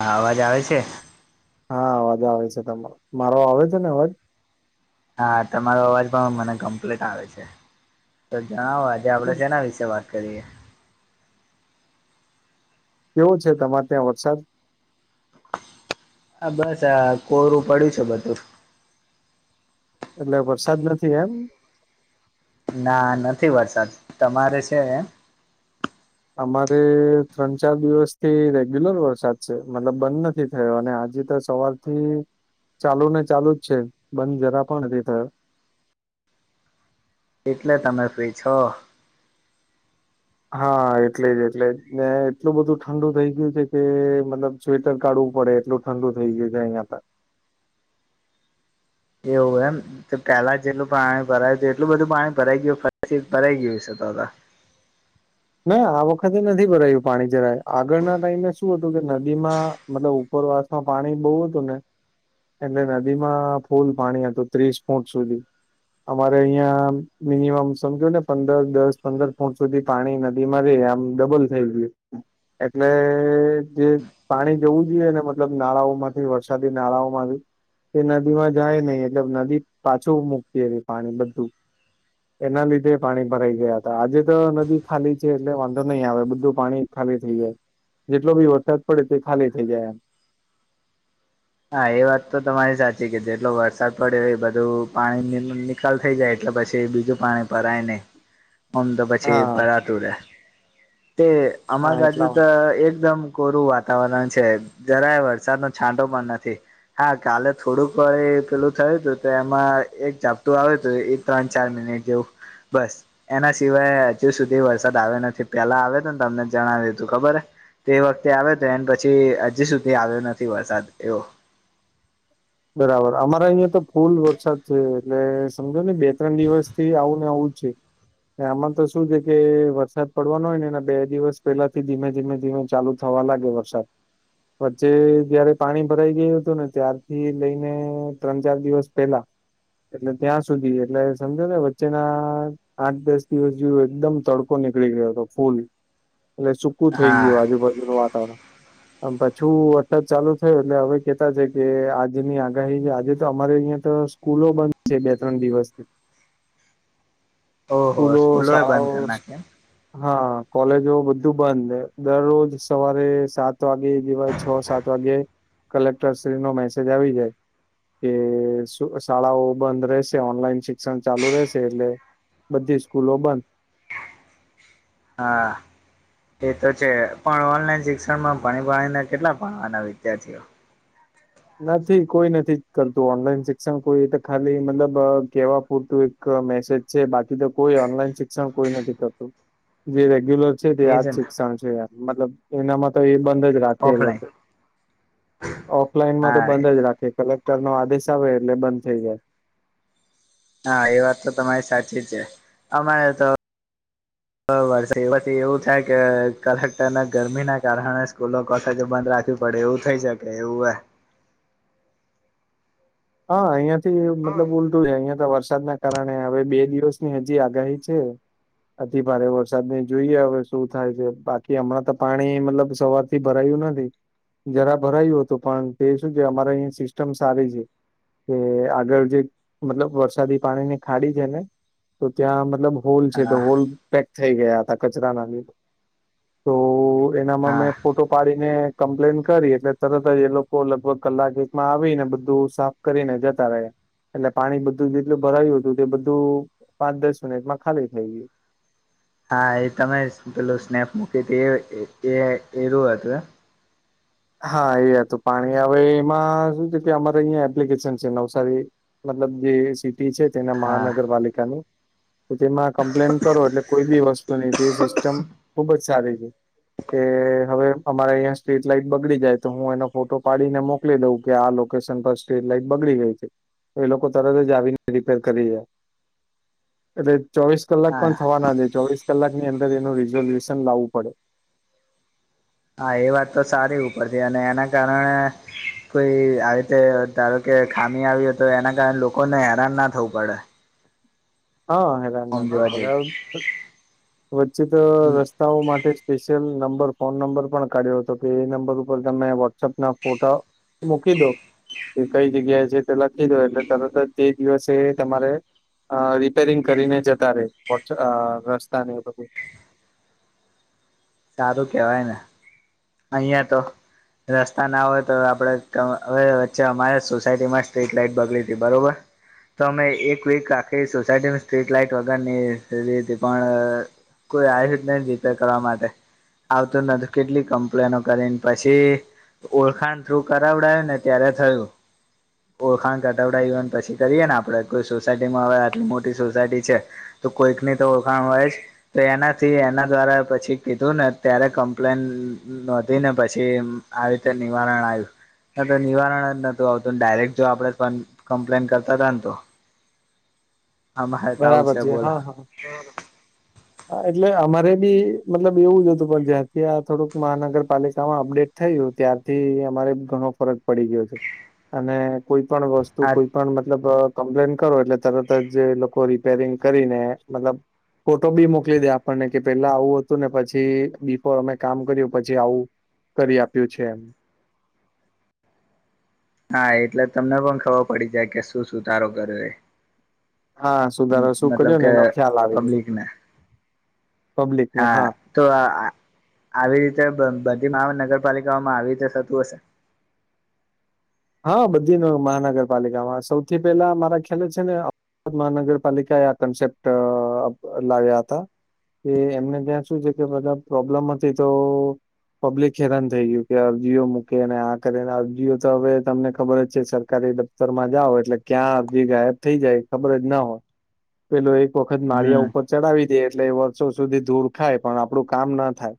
હા અવાજ આવે છે? હા અવાજ આવે છે, તમારો મારો આવે છે, ને અવાજ? હા તમારો અવાજ પણ મને કમ્પ્લીટ આવે છે, તો જણાવો આજે આપડે સેના વિશે વા કરીએ કેવો છે, તમારે ત્યાં વરસાદ? બસ આ કોરું પડ્યું છે, બધું એટલે વરસાદ નથી એમ? ના નથી વરસાદ તમારે છે? અમારે ત્રણ-ચાર દિવસથી રેગ્યુલર વરસાદ છે, મતલબ બંધ નથી થયો અને આજે તો સવારથી ચાલુ ને ચાલુ જ છે. બંધ જરા પણ નથી થયો એટલે તમે ફ્રી છો હા એટલે જ એટલે ને એટલું બધું ઠંડુ થઈ ગયું છે, કે મતલબ સ્વેટર કાઢવું પડે એટલું ઠંડુ થઈ ગયુ અહિયાં ત એવુ એમ તો પેલા જેટલું પાણી ભરાયું છે, એટલું બધું પાણી ભરાઈ ગયુ ફ પસી ભરાઈ ગયું છે, તો ત ના આ વખતે નથી ભરાયું પાણી જરાય આગળના ટાઈમે શું હતું કે નદીમાં મતલબ ઉપરવાસમાં પાણી બો હતું ને એટલે નદીમાં ફૂલ પાણી હતું ત્રીસ ફૂટ સુધી અમારે અહિયાં મિનિમમ સમજો ને પંદર દસ પંદર ફૂટ સુધી પાણી ન બીમારી આમ ડબલ થઈ ગયું એટલે જે પાણી જવું જોઈએ ને મતલબ નાળાઓમાંથી વરસાદી નાળાઓમાંથી એ નદીમાં જાય નહી એટલે નદી પાછું મૂકી [unintelligible] પાણી બધું એના લીધે પાણી ભરાઈ ગયા હતા. આજે તો નદી ખાલી છે, ટલે વાંધો નહી આવે બધું પાણી ખાલી થઈ જાય. જેટલો બી વરસાદ પડે તે ખાલી થઈ જાય એમ હા, એ વાત તો તમારી સાચી કે જેટલો વરસાદ પડ્યો એ બધું પાણી ની કાલ થઈ જાય એટલે પછી બીજું પાણી ભરાઈ નઈ હમ. ઓમ તો પછી ભરાતું રે તે હા અમારી બાજુ એટલા ત એકદમ કોરું વાતાવરણ છે, જરાય વરસાદનો છાંટો પણ નથી. હા કાલે થોડુંક વળી પેલું થયુંતું તો એમાં એક ઝાપટું આવ્યુંતું. ત્રણ-ચાર મિનિટ જેવું બસ એના સિવાય હજુ સુધી વરસાદ આવ્યો નથી. પેલા આવ્યો તો ને તમને જણાવ્યું તું ખબર? તે વખતે આવ્યો હતો. એને પછી હજી સુધી આવ્યો નથી વરસાદ એવો બરાબર અમારે અહિયાં તો ફૂલ વરસાદ છે. એટલે સમજોની બે-ત્રણ દિવસથી આવું ને આવું જ છે. ને આમાં તો શું છે, કે વરસાદ પડવાનો હોય ને એના બે દિવસ પહેલા થી ધીમે ધીમે ધીમે ચાલુ થવા લાગે વરસાદ, વચ્ચે જયારે પાણી ભરાઈ ગયું હતું ને ત્યાર થી લઈને ત્રણ-ચાર દિવસ પેલા એટલે ત્યાં સુધી, એટલે સમજોને વચ્ચેના આઠ, દસ દિવસથી હજુ એકદમ તડકો નીકળી ગયો હતો ફૂલ, એટલે સુકુ થઈ ગીયું હા, આજુ-બાજુનું વાતાવરણ આમ પાછું વરસાદ ચાલુ થયું, એટલે હવે કેતા છે કે આજની આગાહી, આજે તો અમારે અયા તો સ્કૂલો બંધ છે, બે-ત્રણ દિવસથી ઓહો સ્કૂલો, એ બંધ શાળાઓ કરી નાખી એમ હા, કોલેજો બધું બંધ, દરરોજ સવારે સાત સાત વાગે જેવાય, છ-સાત વાગ્યે કલેક્ટરશ્રી નો મેસેજ આવી જાય કે શાળાઓ બંધ રહેશે, ઓનલાઈન શિક્ષણ ચાલુ રહેશે, એટલે બધી સ્કૂલો બંધ હા એ તો છે, પણ ઓનલાઈન શિક્ષણમાં ભણી ભણી ને કેટલા ભણવાના વિદ્યાર્થીઓ નથી, કોઈ નથી કરતું ઓનલાઈન શિક્ષણ, કોઈ એ તો ખાલી, મતલબ કેવા પૂરતું ક મેસેજ છે, બાકી તો કોઈ ઓનલાઈન શિક્ષણ કોઈ નથી કરતું, જે રેગ્યુલર છે, તે એજ આ જ ને શિક્ષણ છે એમ, મતલબ એનામાં તો એ બંધ જ રાખે ઓફલાઈન ઓફઇનમાં તો હા બંધ જ રાખે, કલેક્ટર નો આદેશ આવે એટલે બંધ થઈ જાય હા, એ વાત તો તમારી સાચી જ છે અમારે તો [inaudible] વર્ષે પછી એવું થાય કે કલેકટરના ગરમી ના કારણે સ્કૂલો કોલેજો બંધ રાખ બડે ઉ થઈ શકે એવું હે હા અહિયાં થી મતલબ અહિયાં તો વરસાદના કારણે હવે બે દિવસની હજી આગાહી છે અતિ ભારે વરસાદ ને જોઈએ હવે શું થાય છે બાકી હમણાં તો પાણી મતલબ સવાર થી ભરાયું નથી, જરા ભરાયું હતું પણ તે શું છે અમારે અહીં સિસ્ટમ સારી છે કે આગળ જે મતલબ વરસાદી પાણી ની ખાડી છે ને તો ત્યાં મતલબ હોલછે તો હા હોલ પેક થઈ ગયા હતા કચરાના લીધે તો એનામાં હા મે ફોટો પાડીને કમ્પ્લેન કરી એટલે તરત જ એ લોકો લગભગ કલાક એકમાં આવીને બધું સાફ કરીને જતા રહિયા એટલે પાણી બધું જેટલું ભરાયું હતું તે બધું પાંચ, દસ મિનિટમાં ખાલી થઈ ગયું હા, એ તમે પેલું સ્નેપ મૂકી હતી એ એ એરું હતું એમ હા, એ હતું પાણી હવે એમાં શું છે કે અમારે અહીંયા એપ્લિકેશન છે નવસારી મતલબ જે સિટી છે તેના હા મહાનગરપાલિકાનું તેમાં કમ્પ્લેન કરો એટલે કોઈ બી વસ્તુ ની જે સિસ્ટમ ખુબ જ સારી, કે હવે અમારે અહીં સ્ટ્રીટ લાઇટ બગડી જાય તો હું એનો ફોટો પાડીને મોકલી દઉં કે આ લોકેશન પર સ્ટ્રીટ લાઈટ બગડી ગઈ છે એ લોકો તરત જ આવીને રિપેર કરી જાય એટલે ચોવીસ કલાક પણ હા થવા ના દ ચોવીસ કલાકની અંદર એનું રિઝોલ્યુશન લાવવું પડે હા, એ વાત તો સારી ઉપરથી અને એના કારણે કોઈ આવી રીતે ધારો કે ખામી આવી તો એના કારણે લોકોને હેરાન ના થવું પડે હા, હેરાન ના આમ થવું જોવા જઈએ પડે, વચ્ચે તો રસ્તો રસ્તાઓ માટે સ્પેશિયલ નંબર ફોન નંબર પણ કાઢ્યો હતો કે એ નંબર ઉપર તમે વોટ્સઅપ ના ફોટા મૂકી દો કે કઈ જગ્યાએ છે તે લખી દો એટલે તરત જ તે દિવસે તમારે અ રી પેરિંગ કરીને જતા રે રસ્તા ને એ બધું સારું કેવાય ને અહીંયા તો રસ્તા ના હોય તો આપડે હવે વચ્ચે અમારે સોસાયટીમાં સ્ટ્રીટ લાઈટ બગડી હતી બરોબર તો અમે એક વીક આખી સોસાયટીમાં સ્ટ્રીટ લાઈટ વગર ની થઈ ગઈ થી પણ કોઈ આવ જ નહી રિપેર કરવા માટે આવતું નથી કેટલી કંપ પ્લેનો કરી, ને પછી ઓળખાણ થ્રુ કરાવડાય ને ત્યારે થયું ઓળખાણ કડાવ્યે ને પછી કરીએ ને આપડે કોઈ સોસાયટીમાં આવે આટલી મોટી સોસાયટી છે તો કોઈક ની તો ઓળખાણ હોય જ તો એનાથી એના દ્વારા પછી કીધું ને ત્યારે કમ્પ્લેન નોંધી ને પછી આવી રીતે નિવારણ આવ્યું ના તો નિવારણ જ નતું આવતુંને ડાયરેક જો આપડે કમ્પ્લેન કરતા હતા ને તો આમાંરે તો આવું બરાબર છે બોલો હા હા એટલે અમારે બી મતલબ એવું જ હતું પણ જ્યાંથી આ થોડુંક મહાનગરપાલિકામાં અપડે થયું ત્યારથી અમારે ઘણો ફરક પડી ગયો છે અને કોઈ પણ વસ્ત તું હા કોઈ પણ મતલબ કમ્પ્લેન કરો એટલે તરત જ એ લોકો રિપેરિંગ કરીને મતલબ તો બી મોકલી દે આપણને કે પેલા આવું હતું ને પછી બિફોર અમે કામ કર્યું પછી આવું કરી આપ્યું છે એમ હા એટલે તમને પણ ખબર પડી જાય કે શું સુધારો કરિયો એ હા સુધારો શું મતલબ કર્યો ને કે એનો ખ્યાલ આવી ગયો પબ્લિકને પબ્લિક ને હા તો આ આ-આવી રીતે બ-બધી મહાનગરપાલિકાઓમાં આવી રીતે થતું હશે હા બધી ન મહાનગરપાલિકામાં સૌથી પેલા મારા ખ્યાલ છે ને અ અ મહાનગરપાલિકાએ આ કન્સેપ્ટ અ લાવ્યા હતા કે એમને ત્યાં શું છે કે બધા પ્રોબ્લેમ હતી તો પબ્લિક હેરાન થઈ ગયું કે અરજીઓ મૂકે અને આ કરે અરજીઓ તો હવે તમને ખબર જ છે સરકારી દફતર માં જાઓ એટલે ક્યાં અરજી ગાયબ થઈ જાય ખબર જ ના હોય પેલો એક વખત હમ માળિયા ઉપર ચડાવી દે, એટલે વર્ષો સુધી ધૂળ ખાય, પણ આપડું કામ ના થાય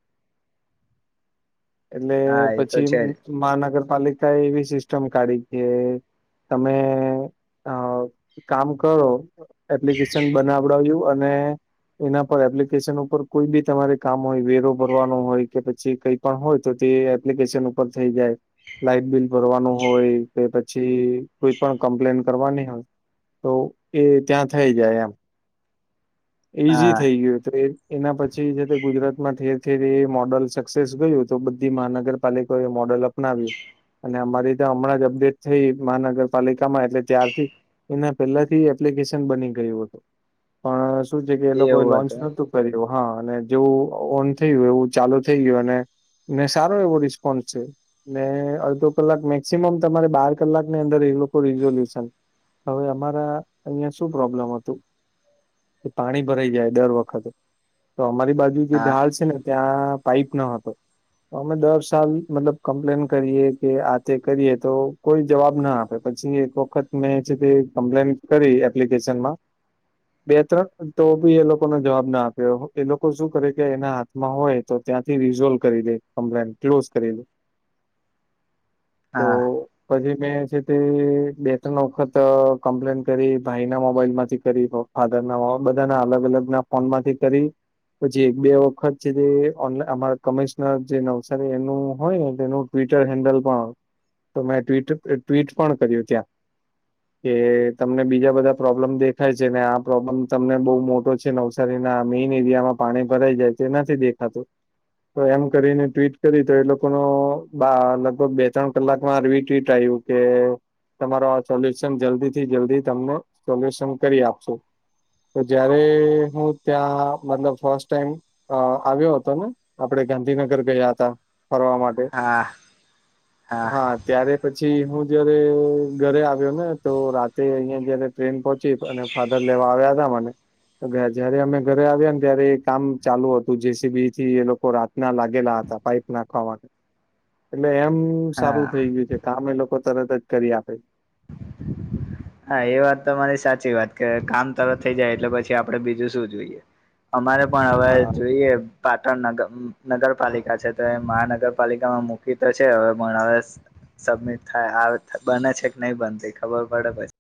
એટલે હા એ તો પછી છે હુ જ મહાનગરપાલિકા એવી સિસ્ ટમ કાઢી કે તમે અ કામ કરો એપ્લિકેશન બનાવડાવ્યું અને એના પર એપ્લિકેશન ઉપર કોઈ બી તમારે કામ હોય વેરો ભરવાનો હોય કે પછી કઈક પણ હોય તો તે એપ્લિકેશન ઉપર થઈ જાય, લાઈટ બિલ ભરવાનું હોય કે પછી કોઈ પણ કમ્પલેન કરવાની હોય તો એ ત્યાં થઈ જાય એમ એ ઈઝી હા થઈ ગયું [unintelligible] એના પછી જે તે ગુજરાત માં ઠેર ઠેર એ મોડલ સક્સેસ ગયું, તો બધી મહાનગરપાલિકા એ મોડલ અપ નાવ્યું, અને અમારી તો હમણાં જ અપડેટ થઈ મહાનગરપાલિકામાં એટલે ત્યારથી એના પહેલાથી એપ્લિકેશન બની ગયું હતું, પણ શું છે કે એ લોકો એ એવું લોન્ચ હતું નોતું કર્યું હા અને જેવુ ઓન થયું એવું ચાલુ થઈ ગયું અને ને સારો એવો રિસ્પોન્સ છે ને અડધો કલાક મેક્સિમમ તમારે બાર કલાકની અંદર એ લોકો રિઝોલ્યુશન હવે અમારા અહિયાં શું પ્રોબ્લમ હતું કે પાણી ભરાઈ જાય દર વખતે, તો અમારી બાજુ જે હા ઢાળ છે ને ત્યાં પાઇપ ના હતો, અમે દર સાલ મતલબ કમ્પ્લેન કરીએ કે આ તે કરીએ તો કોઈ જવાબ ન આપે, પછી એક વખત મેં છેતે કમ્પલેન. કરી એપ્લિકેશન માં, બે ત્રણ તો બી એ લોકોનો જવાબ ના આપ્યો એ લોકો શું કરે કે એના હાથમાં હોય, તો ત્યાંથી રીઝોલ્વ કરી દે કમ્પલેન ક્લોઝ કરી દે, તો હા પછી મેં છે તે બે ત્રણ વખત કમ્પલેન કરી ભાઈ ના મોબાઇલ માંથી કરી, ફાધર ના હો બધા ના અલગ અલગ ના ફોન માંથી કરી, પછી એક બે વખત છે તે અમારા કમિશનર જે નવસારી એમનું હોયને ટ્વિટર હેન્ડલ પણ તો મેં ટ્વીટ-ટ્વીટ પણ કરીએ ત્યાં, કે તમને બીજા બધા પ્રોબ્લેમ દેખાય છે ને આ પ્રોબ્લેમ તમને બોવ મોટો છે નવસારીમાં મેઈન એરિયા માં પાણી ભરાય જાય છે એ નથી દેખાતું, તો એમ કરીને ટ્વીટ કરીએ તો લોકોનો બા લગભગ બે ત્રણ કલાકમાં રિટ્વીટ આવ્યું, કે તમારું આ સોલ્યુશન જલ્દીથી જલ્દી તમને સોલ્યુશન કરી આપશું, તો જયારે હું ત્યાં મતલબ ફસ્ટ ટાઇમ અ આવ્યો હતો ને આપડે ગાંધીનગર ગયા હતા ફરવા માટે, હા તે હા, ત્યારે પછી હું જયારે ઘરે આવ્યો ને તો રાતે અહીંયા જયારે ટ્રેન પહોંચી ને તો ફાધર લેવા આવ્યા તા મને, જયારે અમે ઘરે આવ્યા ને ત્યારે એ કામ ચાલુ હતું જેસીબી થી એ લોકો રાત, ના લાગેલા હતા પાઈપ નાખવા માટે એટલે એમ, સારું થઈ ગયું છે કામ એ લોકો તરત કરી આપે છે, હા એ વાત તમારી સાચી વાત કે કામ તરત થઈ જાય પછી બીજું શું જોઈએ, અમારે પણ હવે હા જોઈએ, પાટણ નગર નગરપાલિકા છે તો એ મહાનગરપાલિકામાં મુકીતો છે હવે પણ હવે, સબમિટ થાય આવે છે બને છે કે નહી બનતી ખબર પડે પછી,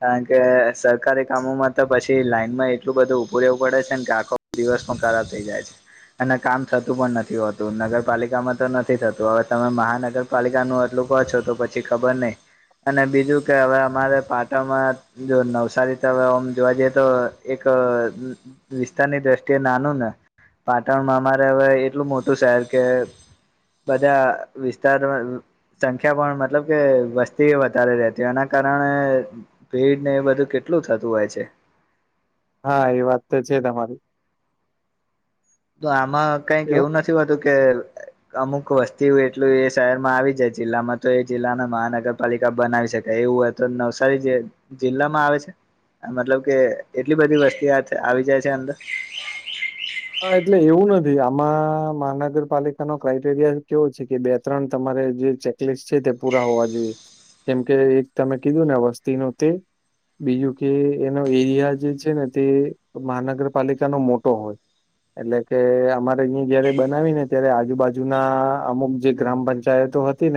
કારણકે સરકારી કામોમાં તો પછી લાઇનમાં એટલું બધું ઊભું રહેવું પડે છે ને આખો દિવસ ખરાબ થઈ જાય છે અને કામ થતું પણ નથી હોતું નગરપાલિકા માં તો નથી થતું હવે તમે મહાનગર પાલિકા નુ આટલું ક્યો છો તો પછી ખબર નહી અને બીજું કે હવે અમારે જો નવસારી તમે આમ જોવા જઈએ તો એક વિસ્તારની દ્રષ્ટિ એ નાનું ને પાટણમાં અમારે એટલું મોટું શહેર કે, બધા વિસ્તાર, સંખ્યા પણ મતલબ કે વસ્તી વધારે રહે છે એના કારણે, ભીડ ને એ બધું કેટલું થતું હોય છે, હા એ વાત તો છે તમારી, તો આમાં કંઈક એવા એવું નથી હોતું કે, અમુક વસ્તી એટલું એ શહેરમાં આવી જાય જિલ્લામાં તો એ જિલ્લાના મહાનગરપાલિકા બનાવી શકાય એવું એમ, તો નવસારી જે જિલ્લા માં આવે છે? મતલબ કે એટલી બધી વસ્તી આવી જાય છે અંદર, હા એટલે એવું નથી આમાં મહાનગરપાલિકાનો ક્રાઈટેરિયા કેવો છે કે બે ત્રણ તમારે જે ચેક, છે તે પૂરા હોવા જોઈએ કેમકે એક તમે કીધું ને વસ્તી ને તે, બીજું કે એનો એરિયા જે છે ને તે મહાનગરપાલિકાનો મોટો હોલ, એટલે કે અમારે અહીં જયારે બનાવી ને ત્યારે આજુબાજુ ના અમુક જે ગ્રામપંચાયતો હતી,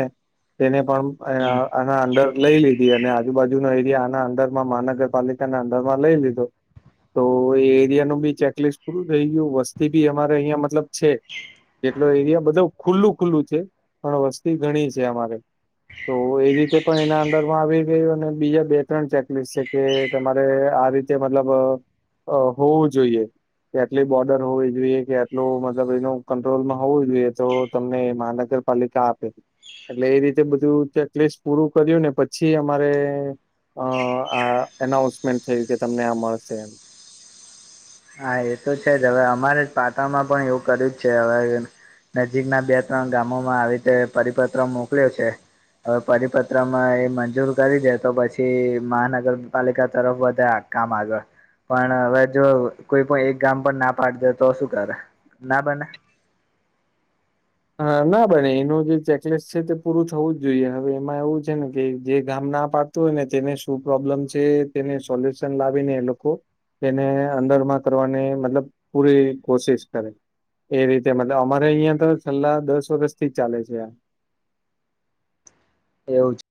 તેને પણ હમ અહીંયા, આના અંદર લઈ લીધી અને આજુબાજુ ના એરિયા આના અંદરમાં મહાનગરપાલિકાના અંદર માં લઈ લીધો. તો એ એરિયાનું બી ચેકલિસ્ટ પૂરું થઈ ગયું વસ્તી બી અમારે અહિયાં મતલબ છે. જેટલો એરિયા બધો ખુલ્લું ખુલ્લું છે પણ વસ્તી ઘણી છે અમારે તો એ રીતે પણ એના અંદરમાં આવીને અને બીજા બે ત્રણ ચેકલિસ્ટ છે કે તમારે આ રીતે તે મતલબ અ હોવું જોઈએ. કે આટલી બોર્ડર હોવી જોઈએ કે આટલો મતલબ એનો કંટ્રોલમાં હોવું જોઈએ તો તમને મહાનગર પાલિકા આપે એટલે એ રીતે બધું ચેકલીસ્ટ પૂરું કર્યું ને પછી અમારે અ આ એનાઉન્સમેન્ટ થયું કે તમને આ મળશે એમ હા એ તો છે જ હવે અમારે પાટણમાં પણ એવું કર્યું જ છે હવે નજીકના બે ત્રણ ગામોમાં આવી રીતે પરિપત્ર મોકલ્યો છે. હવે પરિપત્રમાં એ મંજૂર કરી દે તો પછી મહાનગરપાલિકા તરફ વધે આ કામ આગળ પણ હવે જો કોઈ પણ એક ગામ પણ ના પાડી દે તો શું કરે ના બને હ ના બને એનું જે ચેકલીસ્ટ છે તે પૂરું થવું જ જોઈએ. હવે એમાં એવું છે ને કે જે ગામ ના પાડે. તો એને તેને શું પ્રોબ્લેમ છે તેને સોલ્યુશન લાવી ને એ લોકો એને અંદરમાં કરવાની મતલબ પૂરી કોશિશ કરે. એ રીતે મતલબ અમારે અહિયાં તો છેલ્લા દસ વર્ષ થી જ ચાલે છે. આ એવું છે.